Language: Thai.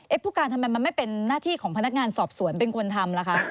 ผู้การทำไมมันไม่เป็นหน้าที่ของพนักงานสอบสวนเป็นคนทำล่ะคะ